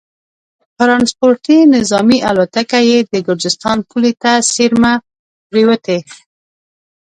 ټرانسپورټي نظامي الوتکه یې د ګرجستان پولې ته څېرمه پرېوتې